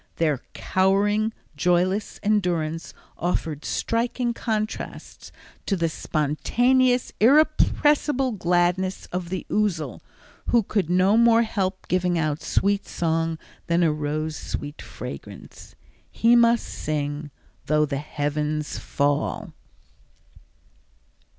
Their cowering, joyless endurance offered striking contrasts to the spontaneous, irrepressible gladness of the ouzel, who could no more help giving out sweet song than a rose sweet fragrance. He must sing, though the heavens fall.